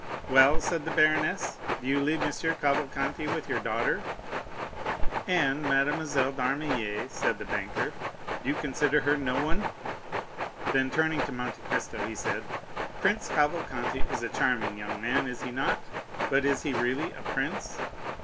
"Well," said the baroness, "do you leave M. Cavalcanti with your daughter?" "And Mademoiselle d'Armilly," said the banker; "do you consider her no one?" Then, turning to Monte Cristo, he said, "Prince Cavalcanti is a charming young man, is he not? But is he really a prince?"